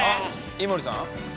井森さん。